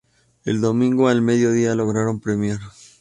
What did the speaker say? El domingo al mediodía lograron premiar.